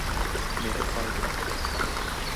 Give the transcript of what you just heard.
Miehet vaikenivat.